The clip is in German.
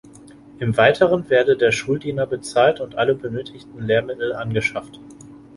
Im Weiteren werde der Schuldiener bezahlt und alle benötigten Lehrmittel angeschafft.